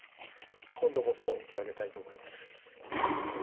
今度こそ打ち上げたいと思います。